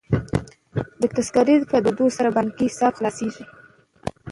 د تذکرې په درلودلو سره بانکي حساب خلاصیږي.